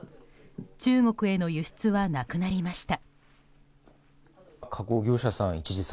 中国への輸出はなくなりました。